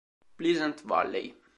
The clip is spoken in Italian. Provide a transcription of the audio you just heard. Pleasant Valley